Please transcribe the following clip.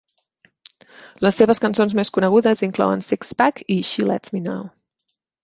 Les seves cançons més conegudes inclouen "Six Pack" i "She Lets Me Know".